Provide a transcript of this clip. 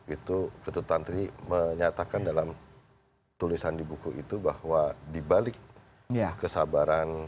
itu vito tantri menyatakan dalam tulisan di buku itu bahwa dibalik kesabaran